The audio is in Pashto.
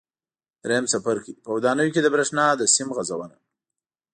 درېیم څپرکی: په ودانیو کې د برېښنا د سیم غځونه